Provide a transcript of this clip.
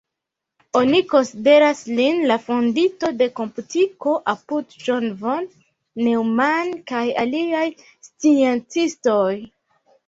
Oni konsideras lin la fondinto de komputiko apud John von Neumann kaj aliaj sciencistoj.